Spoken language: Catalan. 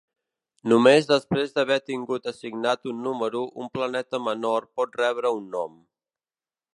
Només després d'haver tingut assignat un número un planeta menor pot rebre un nom.